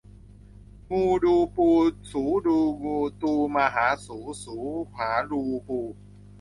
งูดูปู สูดูงู ตูมาหาสู สูหารูปู